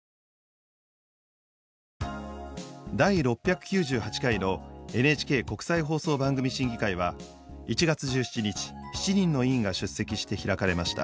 第６９８回のＮＨＫ国際放送番組審議会は１月１７日７人の委員が出席して開かれました。